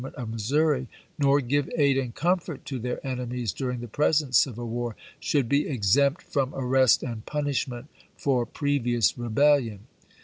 eminent of Missouri, nor give aid and comfort to tlieii' enemies during the present civil war, should be exempt from arrest and punishment for previ ous rebellion.